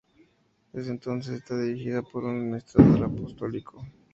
Desde entonces está dirigida por un administrador apostólico.